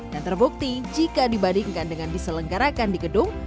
dan terbukti jika dibandingkan dengan diselenggarakan di gedung